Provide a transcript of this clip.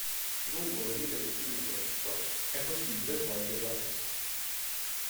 Lungo le rive del fiume Tronto è possibile svolgere la pesca.